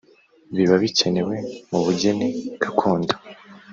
biba bikenewe mu bugeni gakondo